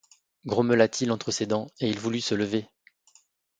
grommela-t-il entre ses dents, et il voulut se lever.